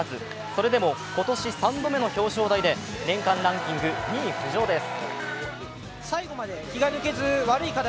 それでも今年３度目の表彰台で、年間ランキング２位浮上です。